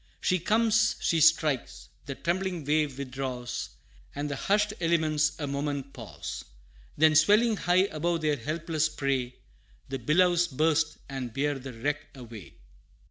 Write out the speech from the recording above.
She comes, she strikes! the trembling wave withdraws, And the hushed elements a moment pause; Then swelling high above their helpless prey, The billows burst, and bear the wreck away!